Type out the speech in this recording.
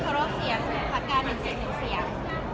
เคารพเสียงภาคการหนึ่งเสียงหนึ่งเสียง